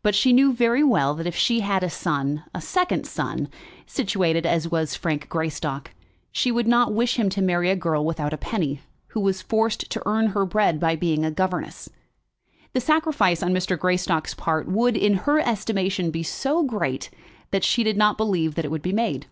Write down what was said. But she knew very well that if she had had a son, a second son, situated as was Frank Greystock, she would not wish him to marry a girl without a penny, who was forced to earn her bread by being a governess. The sacrifice on Mr. Greystock's part would, in her estimation, be so great, that she did not believe that it would be made.